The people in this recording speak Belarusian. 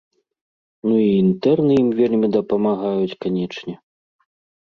Ну і інтэрны ім вельмі дапамагаюць, канечне.